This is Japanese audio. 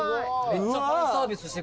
めっちゃファンサービスしてくれる。